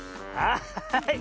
はい。